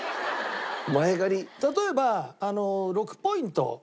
例えば６ポイント